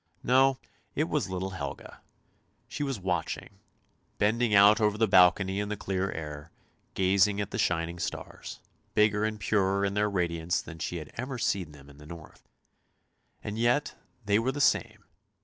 No, it was little Helga. She was watching, bending out over the balcony in the clear air, gazing at the shining stars, bigger and purer in their radiance than she had ever seen them in the north; and yet they were the same.